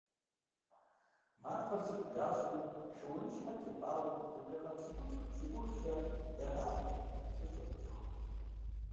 МафIэр цIыкIу ящIри шыуаныщхьэр тепIауэ дакъикъэ пщыкIутху-пщыкıухкIэ ягъавэ псыр щIэвэщIэху.